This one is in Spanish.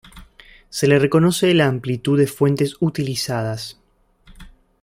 Se le reconoce la amplitud de fuentes utilizadas.